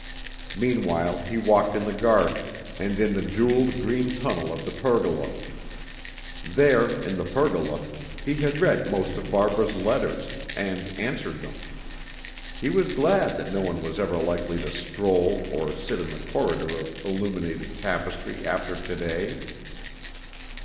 Meanwhile he walked in the garden, and in the jeweled green tunnel of the pergola. There, in the pergola, he had read most of Barbara's letters, and answered them. He was glad that no one was ever likely to stroll or sit in the corridor of illuminated tapestry after to day.